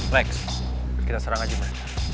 lex kita serang aja men